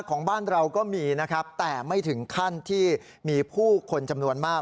ของบ้านเราก็มีนะครับแต่ไม่ถึงขั้นที่มีผู้คนจำนวนมาก